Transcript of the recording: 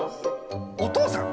お父さん？